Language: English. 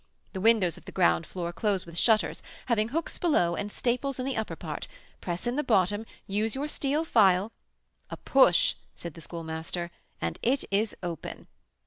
The windows of the ground floor close with shutters, having hooks below and staples in the upper part: press in the bottom, use your steel file " "A push," said the Schoolmaster, "and it is open."